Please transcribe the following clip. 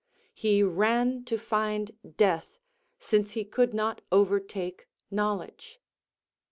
He ran to find death, since he could not overtake knowledge.